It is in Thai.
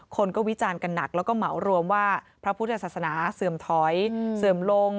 คนก็วิจารณ์กันหนักแล้วก็เหมารวมว่าพระพุทธศาสนาเสื่อมถอยเสื่อมลง